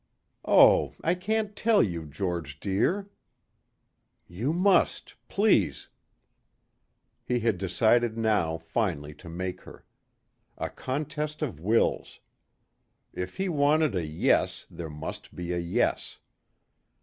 "Oh, I can't tell you, George dear." "You must, please...." He had decided now finally to make her. A contest of wills. If he wanted a yes there must be a yes.